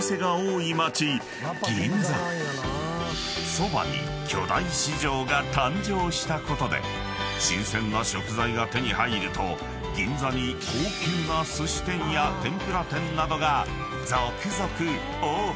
［そばに巨大市場が誕生したことで新鮮な食材が手に入ると銀座に高級な寿司店や天ぷら店などが続々オープン］